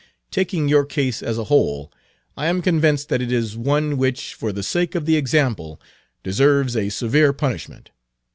Taking your case as a whole, I am convinced that it is one which, for the sake of the example, deserves a severe punishment.